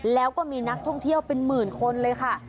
แล้วก็มีนักท่องเที่ยวเป็นหมื่นคนเลยค่ะ